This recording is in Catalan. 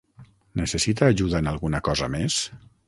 Necessita ajuda en alguna cosa més?